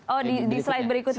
oh di slide berikutnya